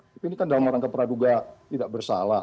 tapi ini kan dalam rangka praduga tidak bersalah